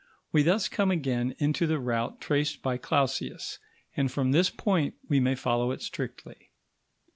We thus come again into the route traced by Clausius, and from this point we may follow it strictly.